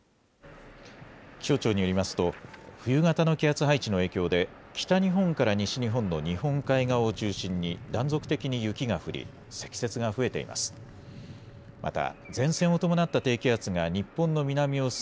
気象庁によりますと、冬型の気圧配置の影響で、北日本から西日本の日本海側を中心に、断続的に雪が降り、積雪が増えています。